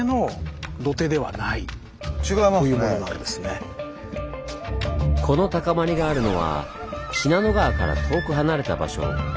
実はでもこの高まりがあるのは信濃川から遠く離れた場所。